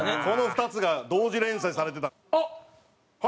この２つが同時連載されてた。